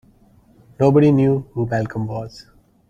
Nobody knew who Malcolm was.